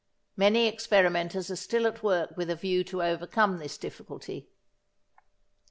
Many experimenters are still at work with a view to overcome this difficulty.